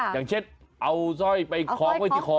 อย่างเช่นเอาสร้อยไปคล้องไว้ที่คอ